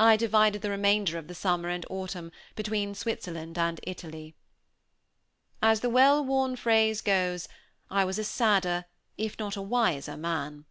I divided the remainder of the summer and autumn between Switzerland and Italy. As the well worn phrase goes, I was a sadder if not a wiser man.